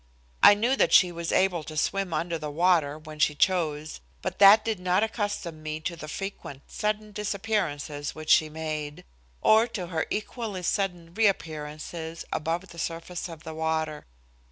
I knew that she was able to swim under the water when she chose, but that did not accustom me to the frequent sudden disappearances which she made, or to her equally sudden reappearances above the surface of the water.